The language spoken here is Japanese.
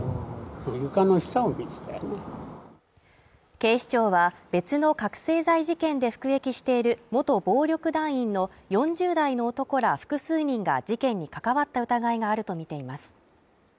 警視庁は別の覚醒剤事件で服役している元暴力団員の４０代の男ら複数人が事件に関わった疑いがあるとみています。